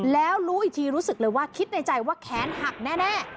แล้วรู้อีกทีรู้สึกเลยว่าคิดในใจว่าแขนหักแน่